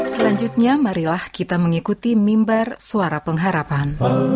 selanjutnya marilah kita mengikuti mimbar suara pengharapan